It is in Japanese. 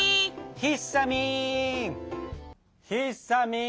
ひさみん。